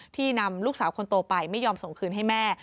นำลูกสาวคนโตไปไม่ยอมส่งคืนให้แม่